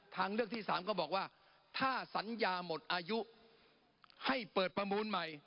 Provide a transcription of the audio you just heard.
ทางเลือกที่สามก็บอกว่าถ้าสัญญาหมดอายุให้เปิดประมูลใหม่